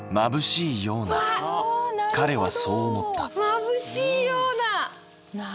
「まぶしいような」！